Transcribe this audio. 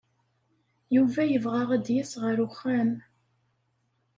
Yuba yebɣa ad d-yas ɣer uxxam.